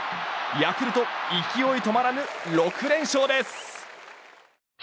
ヤクルト勢い止まらぬ６連勝です！